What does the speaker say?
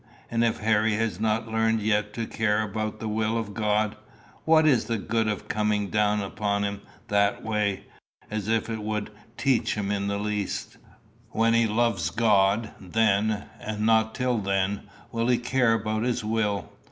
And if Harry has not learned yet to care about the will of God, what is the good of coming down upon him that way, as if that would teach him in the least. When he loves God, then, and not till then, will he care about his will.